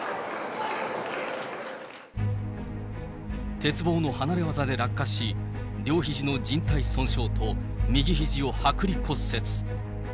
鉄棒の離れ技で落下し、両ひじのじん帯損傷と、右ひじをはく離骨折。